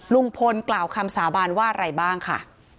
ลุงพลกล่าวคำสาบานว่าอะไรบ้างค่ะ